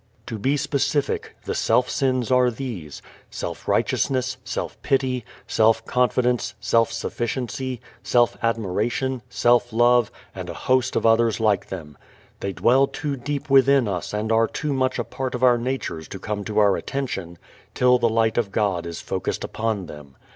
To be specific, the self sins are these: self righteousness, self pity, self confidence, self sufficiency, self admiration, self love and a host of others like them. They dwell too deep within us and are too much a part of our natures to come to our attention till the light of God is focused upon them.